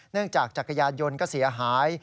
เนื่องจากจักรยานยนต์ก็เสียหาย